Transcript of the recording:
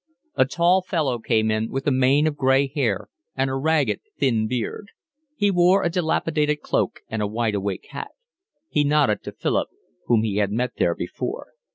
A tall fellow came in, with a mane of gray hair and a ragged thin beard. He wore a dilapidated cloak and a wide awake hat. He nodded to Philip, who had met him there before.